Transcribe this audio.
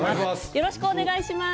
よろしくお願いします。